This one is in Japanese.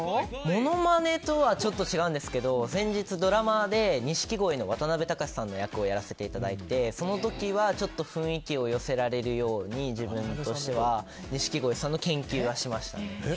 ものまねとは違いますが先日、ドラマで錦鯉の渡辺隆さんの役をやらせていただいてその時はちょっと雰囲気を寄せられるように自分としては錦鯉さんの研究はしました。